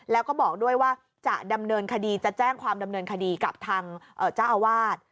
แล้วก็บอกด้วยว่าจะดำเนินคดีจะแจ้งความดำเนินคดีกับทางเจ้าอาวาส